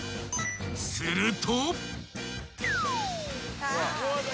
［すると］